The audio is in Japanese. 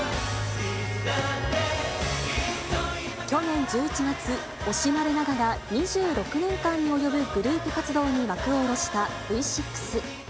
去年１１月、惜しまれながら２６年間に及ぶグループ活動に幕を下ろしたＶ６。